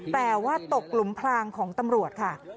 แต่ว่าตกหลุมพลางของตำรวจค่ะ